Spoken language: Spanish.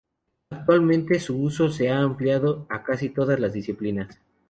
Actualmente, su uso se ha ampliado a casi todas las disciplinas.